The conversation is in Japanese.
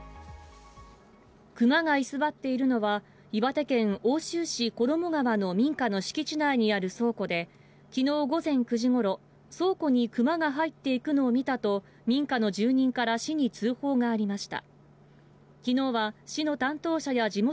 クマが居座っているのは岩手県奥州市衣川の民家の敷地内にある倉庫で、きのう午前９時ごろ、倉庫にクマが入っていくのを見たと民家の住人から市に通報がありました。